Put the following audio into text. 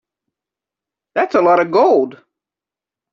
That's a lot of gold.